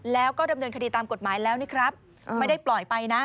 แล้วก็ดำเนินคดีตามกฎหมายแล้วนี่ครับไม่ได้ปล่อยไปนะ